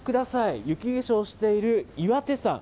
雪化粧している岩手山。